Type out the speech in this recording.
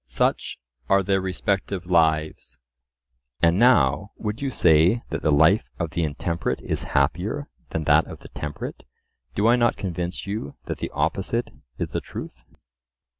Such are their respective lives:—And now would you say that the life of the intemperate is happier than that of the temperate? Do I not convince you that the opposite is the truth?